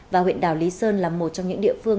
và huyện đảo lý sơn là một trong những địa phương